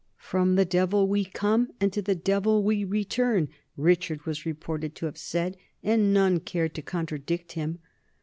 "From the Devil we come, and to the Devil we return," Richard was reported to have said; and none cared to con tradict him.